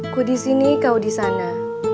ku disini kau disana